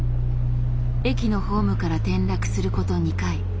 駅のホームから転落すること２回。